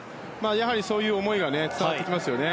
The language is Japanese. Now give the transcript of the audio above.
やはり、そういう思いが伝わってきますよね。